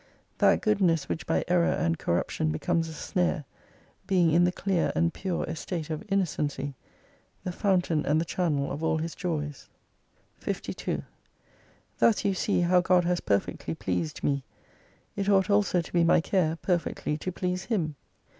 That goodness which by error and corruption becomes a snare, being in the clear and pure estate of innocency, the fountain and the channel of all his joys. 52 Thus you see how God has perfectly pleased me : it ought also to be my care perfectly to please Him.